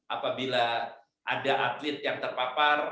apabila ada atlet yang terpapar